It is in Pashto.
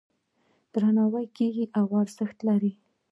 درناوی یې کیږي او ارزښت لري.